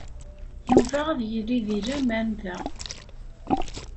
Yuba ad yili deg laman da.